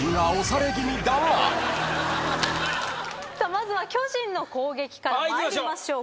まずは巨人の攻撃から参りましょう。